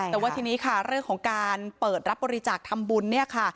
แต่ว่าทีนี้ค่ะเรื่องของการเปิดรับบริจาคทำบุญเนี่ยค่ะ